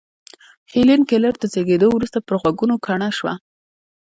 هېلېن کېلر تر زېږېدو وروسته پر غوږو کڼه شوه